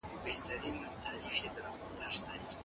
د دې کتاب هره پاڼه د انسان پام ځانته اړوي.